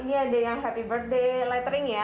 ini ada yang happy birthday lettering ya